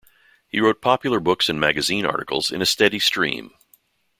He wrote popular books and magazine articles in a steady stream.